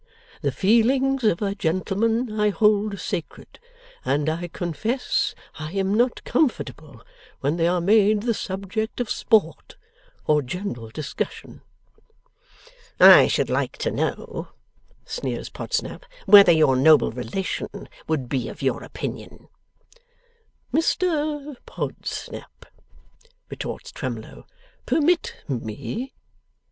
The feelings of a gentleman I hold sacred, and I confess I am not comfortable when they are made the subject of sport or general discussion.' 'I should like to know,' sneers Podsnap, 'whether your noble relation would be of your opinion.' 'Mr Podsnap,' retorts Twemlow, 'permit me.